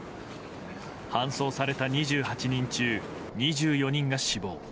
搬送された２８人中２４人が死亡。